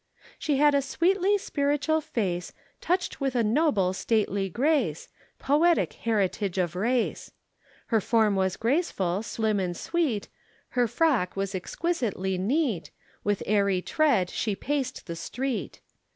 She had a sweetly spiritual face, Touched with a noble, stately grace, Poetic heritage of race. Her form was graceful, slim and sweet, Her frock was exquisitely neat, With airy tread she paced the street.